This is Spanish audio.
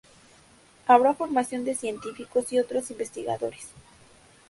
Habrá formación de científicos y otros investigadores.